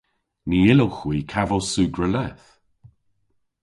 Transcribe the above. Ny yllowgh hwi kavos sugra leth.